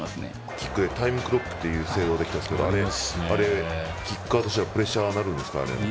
キックでタイムクロックという制度ができたんですけどキッカーとしてはプレッシャーになるんですか？